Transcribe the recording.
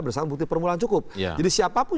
bersama bukti permulaan cukup jadi siapapun